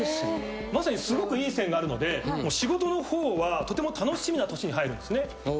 まさにすごくいい線があるので仕事の方はとても楽しみな年に入るんですね。